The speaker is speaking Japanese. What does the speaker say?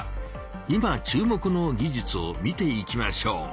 いま注目の技術を見ていきましょう。